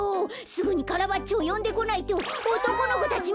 すぐにカラバッチョをよんでこないとおとこの子たち